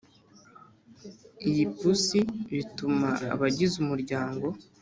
iyi pusi, bituma abagize umuryango